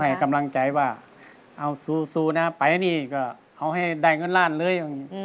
ให้กำลังใจว่าเอาสู้นะไปนี่ก็เอาให้ได้เงินล้านเลย